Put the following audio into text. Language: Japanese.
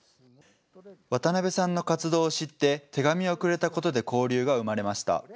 渡辺さんの活動を知って手紙をくれたことで交流が生まれました。